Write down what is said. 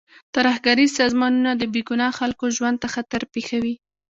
ترهګریز سازمانونه د بې ګناه خلکو ژوند ته خطر پېښوي.